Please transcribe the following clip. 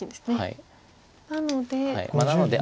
なので。